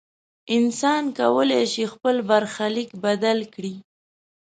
انسان کولی شي خپل برخلیک بدل کړي.